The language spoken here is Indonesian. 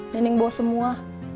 neneng bawa semua